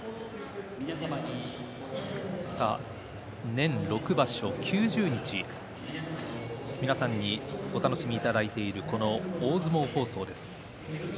年６場所、９０日皆さんにお楽しみいただいているこの大相撲放送です。